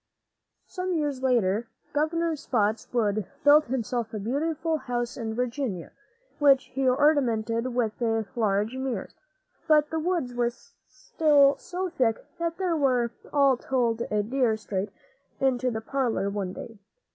Some years later, Governor Spots´wood built himself a beautiful house in Virginia, which he ornamented with large mirrors. But the woods were still so thick there that we are told a deer strayed into the parlor one day.